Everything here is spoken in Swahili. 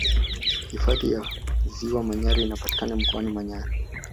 hifadhi ya ziwa manyara inapatikana mkoani manyara